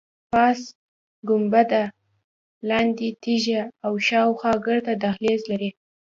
پاس ګنبده، لاندې تیږه او شاخوا ګرد دهلیز لري.